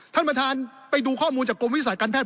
ท่านประธานไปดูข้อมูลจากกรมวิทยาศาสตร์การแพท